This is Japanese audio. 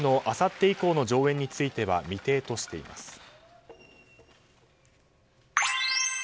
あさって以降の上演については未定としています。